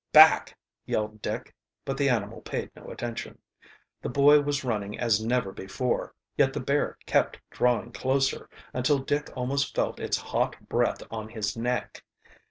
"Back!" yelled Dick, but the animal paid no attention. The boy was running as never before, yet the bear kept drawing closer, until Dick almost felt its hot breath on his neck.